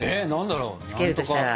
付けるとしたら。